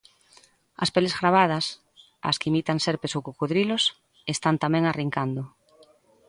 As peles gravadas, as que imitan serpes ou crocodilos están tamén arrincando.